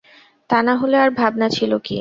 তা হলে আর ভাবনা ছিল কি?